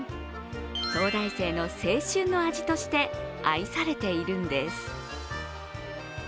早大生の青春の味として愛されているんです。